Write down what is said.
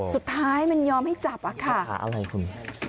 สุดท้ายมันยอมให้จับอะค่ะหาอะไรคุณ